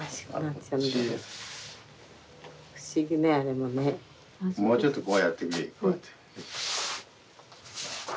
もうちょっとこうやって。